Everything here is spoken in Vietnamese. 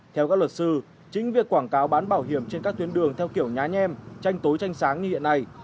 theo các luật sư chính việc quảng cáo bán bảo hiểm trên các tuyến đường theo kiểu nhá nhem tranh tối tranh sáng như hiện nay